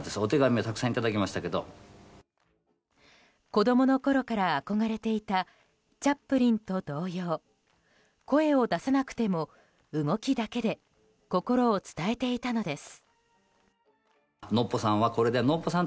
子供のころから憧れていたチャップリンと同様声を出さなくても動きだけで心を伝えていたのです。